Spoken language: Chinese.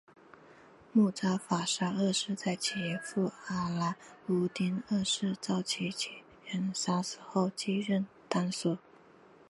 慕扎法沙二世在其父阿拉乌丁二世遭亚齐人杀死后继任苏丹。